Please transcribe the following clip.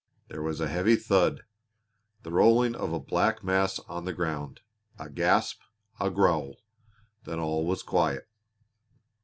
There was a heavy thud, the rolling of a black mass on the ground, a gasp, a growl! Then all was quiet.